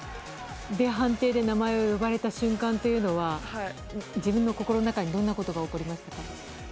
判定で名前を呼ばれた瞬間というのは自分の心の中にどんなことが起こりましたか？